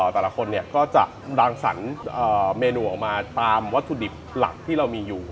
แต่ละคนเนี่ยก็จะรังสรรค์เมนูออกมาตามวัตถุดิบหลักที่เรามีอยู่